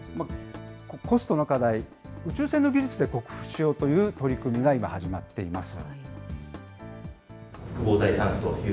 コストの課題、宇宙船の技術で克服しようという取り組みが今、始まっています。